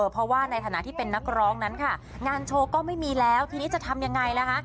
เพราะว่าในฐานะที่เป็นนักร้องนั้นค่ะงานโชว์ก็ไม่มีแล้วทีนี้จะทำยังไงล่ะคะ